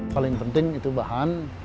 paling penting itu bahan